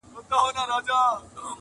او نه ختمېدونکی اثر لري ډېر-